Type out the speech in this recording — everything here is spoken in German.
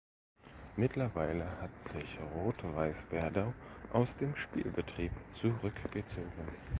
Mittlerweile hat sich Rot-Weiß Werdau aus dem Spielbetrieb zurückgezogen.